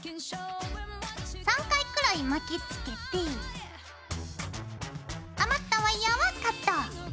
３回くらい巻きつけて余ったワイヤーはカット。